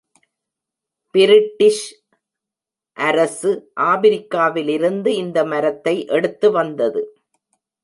British அரசு ஆப்பிரிக்காவிலிருந்து இந்த மரத்தை எடுத்து வந்தது.